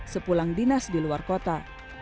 sepulang dinas di luar kota